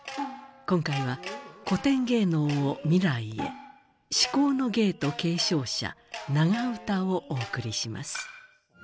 今回は「古典芸能を未来へ至高の芸と継承者長唄」をお送りします。